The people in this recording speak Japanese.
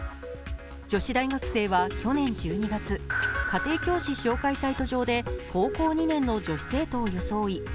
女子大学生は去年１２月家庭教師紹介サイト上で高校２年の女子生徒を装い